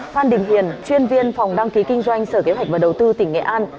phan đình hiền chuyên viên phòng đăng ký kinh doanh sở kế hoạch và đầu tư tỉnh nghệ an